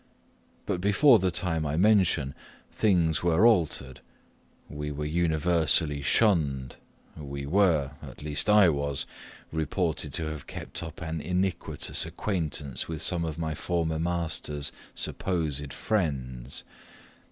But before the time I mention, things were altered we were universally shunned; we were at least, I was reported to have kept up an iniquitous acquaintance with some of my former master's supposed friends.